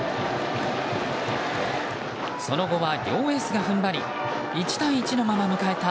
その後は両エースが踏ん張り１対１のまま迎えた